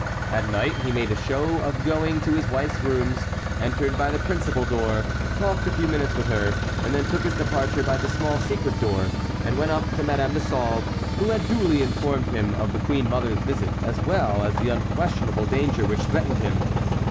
At night he made a show of going to his wife's rooms, entered by the principal door, talked a few minutes with her, and then took his departure by the small secret door, and went up to Madame de Sauve, who had duly informed him of the queen mother's visit as well as the unquestionable danger which threatened him.